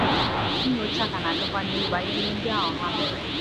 nnyocha ka na-agakwa n'ihu banyere ihe ahụ ndị ahụ mere